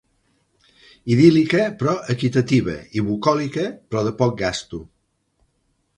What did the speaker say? Idíl·lica, però equitativa; i bucòlica, però de poc gasto.